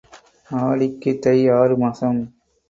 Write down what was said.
ஆடிக்குத் தை ஆறு மாசம்.